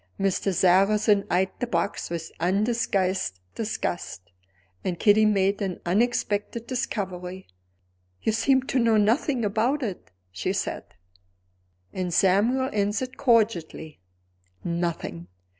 Mr. Sarrazin eyed the box with undisguised disgust; and Kitty made an unexpected discovery. "You seem to know nothing about it," she said. And Samuel answered, cordially, "Nothing!"